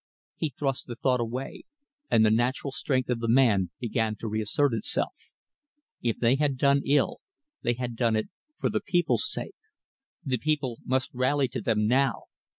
He thrust the thought away; and the natural strength of the man began to reassert itself. If they had done ill, they had done it for the people's sake. The people must rally to them now.